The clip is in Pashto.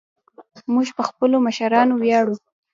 موږ په خپلو مشرانو ویاړو